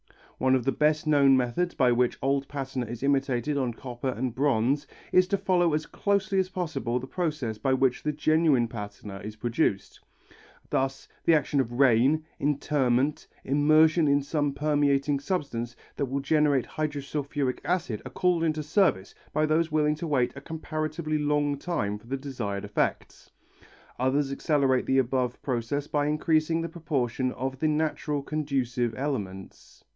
One of the best known methods by which old patina is imitated on copper and bronze, is to follow as closely as possible the process by which the genuine patina is produced. Thus the action of rain, interment, immersion in some permeating substance that will generate hydrosulphuric acid are called into service by those willing to wait a comparatively long time for the desired effects. Others accelerate the above process by increasing the proportion of the natural conducive elements.